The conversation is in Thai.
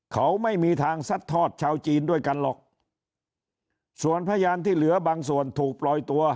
เขาไม่มีทางซัดทอดชาวจีนด้วยกันหรอกส่วนพยานที่เหลือบางส่วนถูกปล่อยตัว